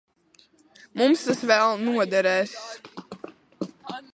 Mums tas vēl noderēs.